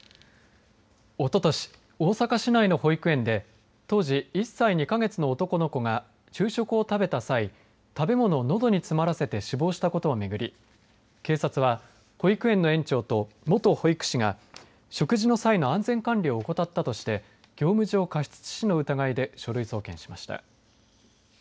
おととし、大阪市内の保育園で当時１歳２か月の男の子が昼食を食べた際食べ物をのどに詰まらせて死亡したことを巡り警察は、保育園の園長と元保育士が食事の際の安全管理を怠ったとして業務上過失致死の疑いで書類送検しました。